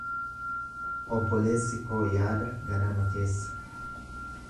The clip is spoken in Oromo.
Obboleessi koo yaada ganama keessa.